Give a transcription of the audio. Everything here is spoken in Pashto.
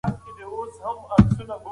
هغې خپل نمبر په ډېرې خندا سره راکړ.